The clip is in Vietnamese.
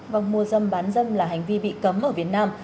vâng mua dâm bán dâm là hành vi bị cấm ở việt nam